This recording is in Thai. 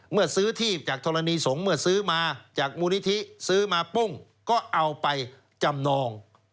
เมื่อซื้อที่จากธรณีสงฆ์เมื่อซื้อมาจากมูลนิธิซื้อมาปุ้งก็เอาไปจำนอง